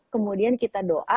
kemudian kita doa